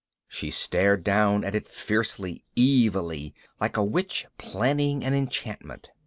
She stared down at it fiercely, evilly, like a witch planning an enchantment.